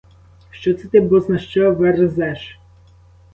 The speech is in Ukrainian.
Що це ти бозна-що верзеш?!